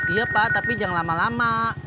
iya pak tapi jangan lama lama